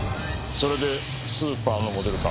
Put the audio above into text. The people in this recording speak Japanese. それでスーパーのモデルか。